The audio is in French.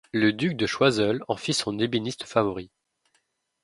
Le duc de Choiseul en fit son ébéniste favori.